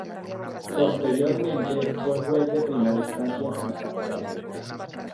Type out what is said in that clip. Posteriormente fue juez de primera instancia en la capital.